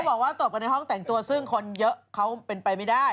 บอกว่าตบกันในห้องแต่งตัวซึ่งคนเยอะเขาเป็นไปไม่ได้